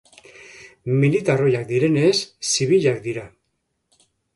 Militar oihak direnez, zibilak dira.